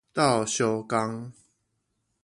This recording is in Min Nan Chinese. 鬥相共